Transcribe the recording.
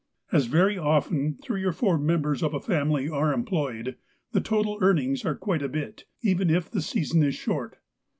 As very often three and four members of a family are employed, the total earnings are quite a bit, even if the season is short.